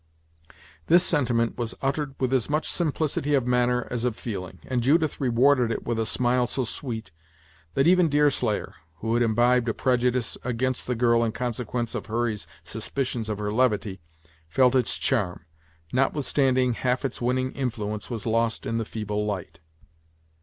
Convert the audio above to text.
This sentiment was uttered with as much simplicity of manner as of feeling, and Judith rewarded it with a smile so sweet, that even Deerslayer, who had imbibed a prejudice against the girl in consequence of Hurry's suspicions of her levity, felt its charm, notwithstanding half its winning influence was lost in the feeble light.